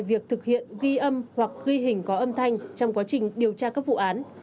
việc thực hiện ghi âm hoặc ghi hình có âm thanh trong quá trình điều tra các vụ án